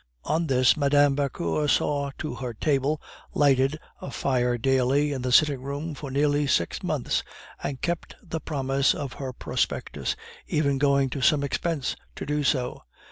On this Mme. Vauquer saw to her table, lighted a fire daily in the sitting room for nearly six months, and kept the promise of her prospectus, even going to some expense to do so.